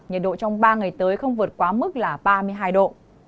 nhiệt độ trong ba ngày tới không vượt quá mức là ba mươi hai độ